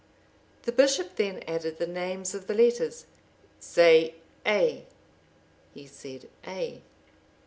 The bishop then added the names of the letters: "Say A." He said A.